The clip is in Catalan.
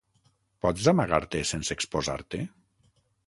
Pots amagar-te sense exposar-te?